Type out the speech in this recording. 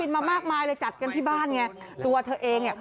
มามากมายเลยจัดกันที่บ้านไงตัวเธอเองเนี่ย